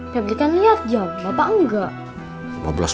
tapi kan liat jam bapak enggak